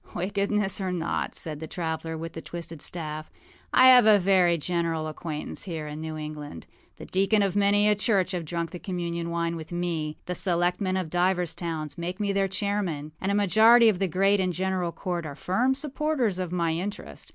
â âWickedness or not,â said the traveller with the twisted staff, âI have a very general acquaintance here in New England. The deacons of many a church have drunk the communion wine with me; the selectmen of divers towns make me their chairman; and a majority of the Great and General Court are firm supporters of my interest.